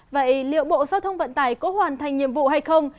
vậy liệu bộ giao thông vận tải có hoàn thành nhiệm vụ hay không